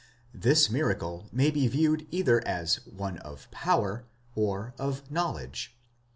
This miracle may be viewed either as one of power, or of knowledge.